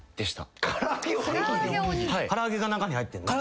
唐揚げが中に入ってんの？